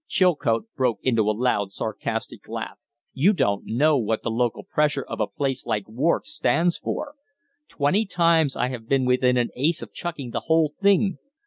Chilcote broke into a loud, sarcastic laugh. "You don't know what the local pressure of a place like Wark stands for. Twenty times I have been within an ace of chucking the whole thing.